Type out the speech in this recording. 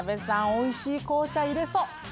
おいしい紅茶入れそう。